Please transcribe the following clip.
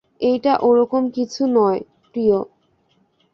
এইটা ওরকম কিছু নয়, প্রিয়।